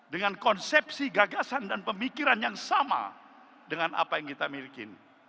dengan konsepsi gagasan dan pemikiran yang sama dengan apa yang kita miliki